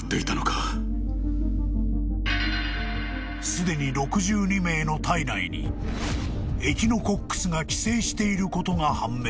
［すでに６２名の体内にエキノコックスが寄生していることが判明］